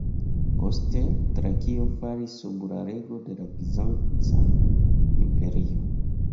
Poste, Trakio falis sub la rego de la Bizanca Imperio.